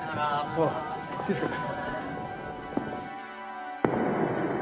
おう気ぃ付けて。